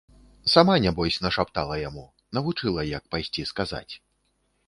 Сама, нябось, нашаптала яму, навучыла, як пайсці сказаць.